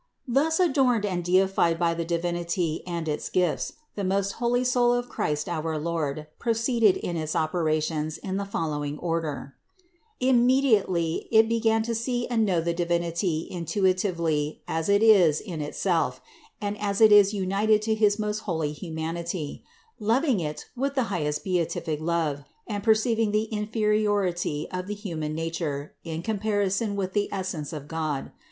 147. Thus adorned and deified by the Divinity and its gifts, the most holy soul of Christ our Lord proceeded in its operations in the following order: immediately it began to see and know the Divinity intuitively as It is in Itself and as It is united to his most holy humanity, loving It with the highest beatific love and perceiving the inferiority of the human nature in comparison with the essence of God.